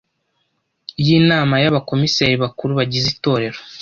y’Inama y’Abakomiseri bakuru bagize itorero